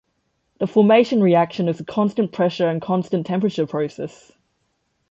The formation reaction is a constant pressure and constant temperature process.